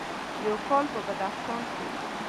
یو کال په بدخشان کې: